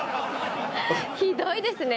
ひどいですね。